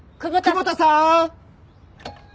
久保田さーん！